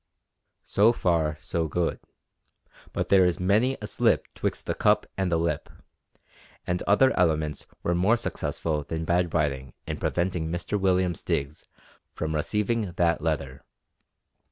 So far so good, but there is many a slip 'twixt the cup and the lip, and other elements were more successful than bad writing in preventing Mr William Stiggs from receiving that letter.